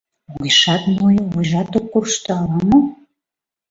Огешат нойо, вуйжат ок коршто ала-мо?